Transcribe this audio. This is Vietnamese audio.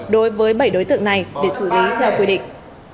đối với bảy đối tượng này để xử lý theo quy định